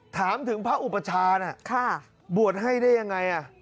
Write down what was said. ถามถึงพระอุปชาน่ะบวชให้ได้ยังไง